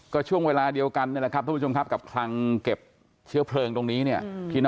ก็ช่วงเวลาเดียวกันนี่แหละครับทุกผู้ชมครับกับคลังเก็บเชื้อเพลิงตรงนี้เนี่ย